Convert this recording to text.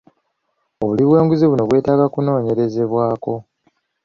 Obuli bw'enguzi buno bwetaaga okunoonyerezebwako.